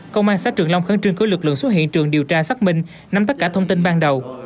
công an xã trường long khẳng trưng khởi lực lượng xuất hiện trường điều tra xác minh nằm tất cả thông tin ban đầu